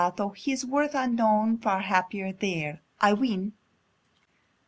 tho' his worth unknown, far happier there I ween!